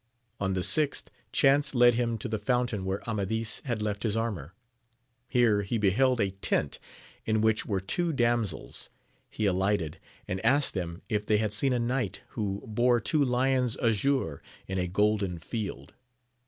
On the sixth, chance led him to the fountain where Amadis had left his armour. Here he beheld a tent in which were two damsels : he alighted, and asked them if they had seen a knight who bore two lions azure in a golden field.